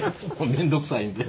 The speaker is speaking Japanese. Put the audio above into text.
面倒くさいんで。